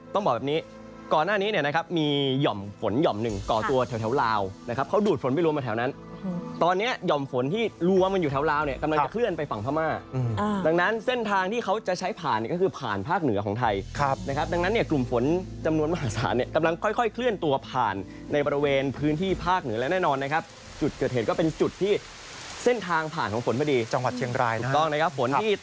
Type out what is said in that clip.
ตอนนี้หย่อมฝนที่รวมอยู่แถวราวเนี่ยกำลังจะเคลื่อนไปฝั่งพม่าดังนั้นเส้นทางที่เขาจะใช้ผ่านก็คือผ่านภาคเหนือของไทยนะครับดังนั้นเนี่ยกลุ่มฝนจำนวนมหาศาลเนี่ยกำลังค่อยเคลื่อนตัวผ่านในบริเวณพื้นที่ภาคเหนือและแน่นอนนะครับจุดเกิดเหตุก็เป็นจุดที่เส้นทางผ่านของฝนพอดีจังห